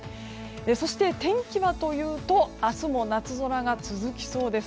そして、天気はというと明日も夏空が続きそうです。